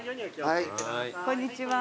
こんにちは。